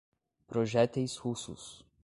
projéteis russos